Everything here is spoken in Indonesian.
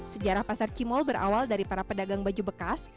sejarah pasar cimol berawal dari para pedagang baju bekas